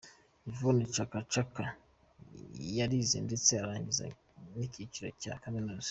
Yvonne Chaka Chaka yarize ndetse arangiza n’ikiciro cya kaminuza.